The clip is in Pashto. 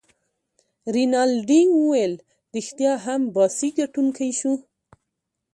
رینالډي وویل: ريښتیا هم، باسي ګټونکی شو.